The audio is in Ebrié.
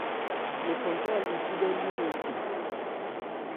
Lephan khɛ́n a li khúbhɛ́ li mɛn the.